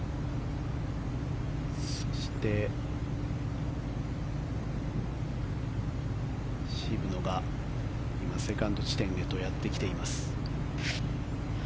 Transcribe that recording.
そして、渋野が今セカンド地点へとやってきています。